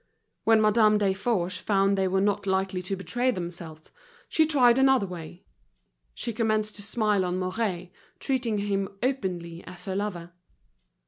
When Madame Desforges found they were not likely to betray themselves, she tried another way, she commenced to smile on Mouret, treating him openly as her lover.